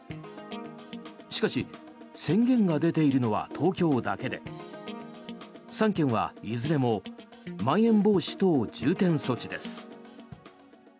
しかし、宣言が出ているのは東京だけで３県はいずれもまん延防止等重点措置です。